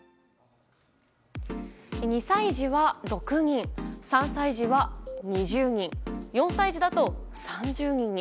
２歳児は６人３歳児は２０人４歳児だと３０人に。